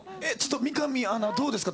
三上アナ、どうですか。